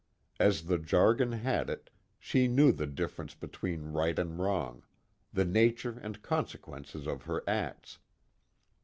As the jargon had it, she knew the difference between right and wrong, the nature and consequences of her acts.